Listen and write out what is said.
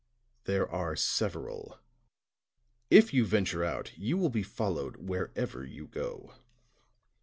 "There are several. If you venture out you will be followed wherever you go."